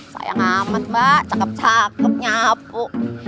sayang amat mbak cakep cakep nyapu